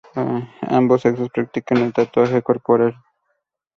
Ambos sexos practican el tatuaje corporal.